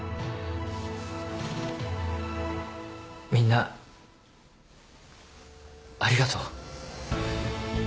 みんなありがとう。